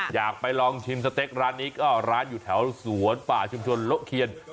อยากไปลองชิมสเต็กร้านนี้ก็ร้านอยู่แถวสวนป่าชุมชนโละเคียน